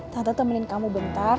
tante temenin kamu bentar